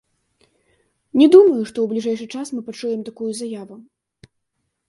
Не думаю, што ў бліжэйшы час мы пачуем такую заяву.